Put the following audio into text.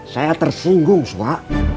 saya tersinggung soa